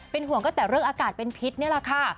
ห่วงก็แต่เรื่องอากาศเป็นพิษนี่แหละค่ะ